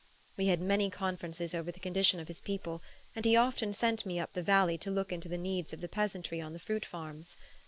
We had many conferences over the condition of his people, and he often sent me up the valley to look into the needs of the peasantry on the fruit farms.